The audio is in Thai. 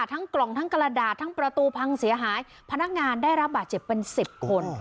ทั้งกล่องทั้งกระดาษทั้งประตูพังเสียหายพนักงานได้รับบาดเจ็บเป็นสิบคน